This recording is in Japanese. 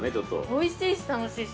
◆おいしいし楽しいし。